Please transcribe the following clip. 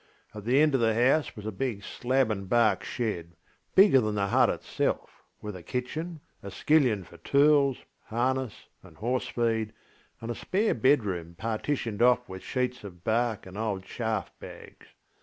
At the end of the house was a big slab and bark shed, bigger than the hut itself, with a kitchen, a skillion for tools, harness, and horse feed, and a spare bedroom partitioned off with sheets of bark and old chaff bags.